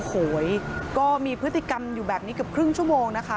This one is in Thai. โอ้โหก็มีพฤติกรรมอยู่แบบนี้เกือบครึ่งชั่วโมงนะคะ